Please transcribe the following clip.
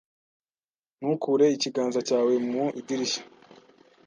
Ntukure ikiganza cyawe mu idirishya.